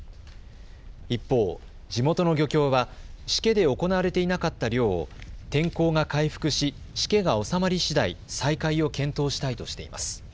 一方、地元の漁協はしけで行われていなかった漁を天候が回復し、しけが収まりしだい再開を検討したいとしています。